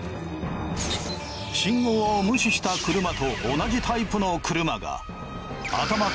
信号を無視した車と同じタイプの車が。